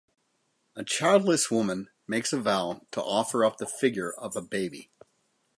A childless woman makes a vow to offer up the figure of a baby.